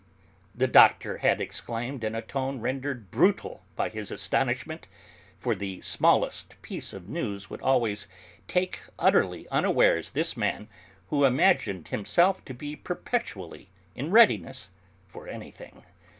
the Doctor had exclaimed in a tone rendered brutal by his astonishment, for the smallest piece of news would always take utterly unawares this man who imagined himself to be perpetually in readiness for anything.